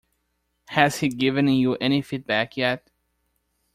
Has he given you any feedback yet?